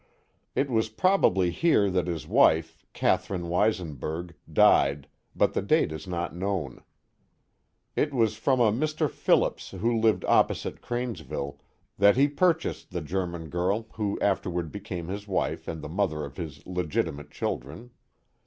It was probably here that his wife, Catherine Weisenberg, died, but the date is not known. It was from a Mr. Phillips who lived opposite Cranesville, that he purchased the Ger man girl who afterward became his wife and the mother of his legitimate children.